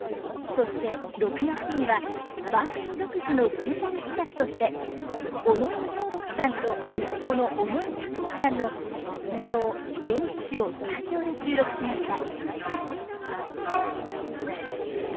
そして６月には番組独自のスペシャル企画として尾上松緑さんと息子の尾上左近さんの舞踊「連獅子」をスタジオで収録しました。